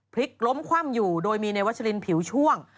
พลิกล้มคว่ำอยู่โดยมีในวัชลินผิวช่วง